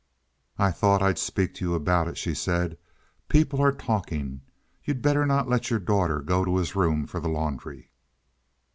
"I thought I'd speak to you about it," she said. "People are talking. You'd better not let your daughter go to his room for the laundry."